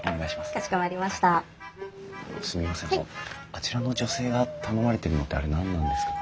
あちらの女性が頼まれてるのってあれ何なんですか？